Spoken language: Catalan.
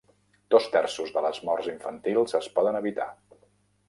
Dos terços de les morts infantils es poden evitar.